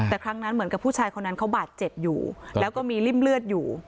แต่ครั้งนั้นเหมือนกับผู้ชายคนนั้นเขาบาดเจ็บอยู่แล้วก็มีริ่มเลือดอยู่